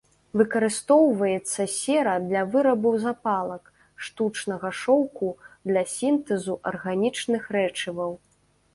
Выкарыстоўваецца сера для вырабу запалак, штучнага шоўку, для сінтэзу арганічных рэчываў.